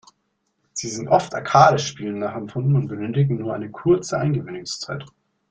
Sie sind oft Arcade-Spielen nachempfunden und benötigen nur eine kurze Eingewöhnungszeit.